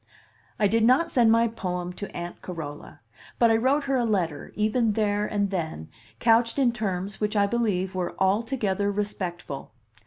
I did not send my poem to Aunt Carola, but I wrote her a letter, even there and then, couched in terms which I believe were altogether respectful.